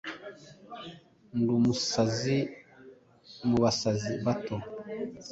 Nd umusazi mubasazi bato